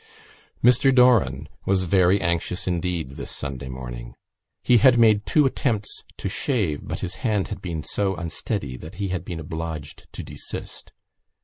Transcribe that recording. Mr Doran was very anxious indeed this Sunday morning. He had made two attempts to shave but his hand had been so unsteady that he had been obliged to desist.